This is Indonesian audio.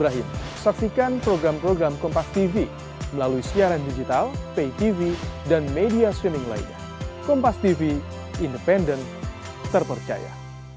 akhirnya saya bisa diterima oleh pelajar indonesia